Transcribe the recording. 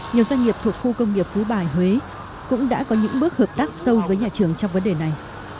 nhiều doanh nghiệp thuộc khu công nghiệp phú bài huế cũng đã có những bước hợp tác sâu với nhà trường trong vấn đề này